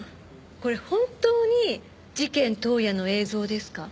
これ本当に事件当夜の映像ですか？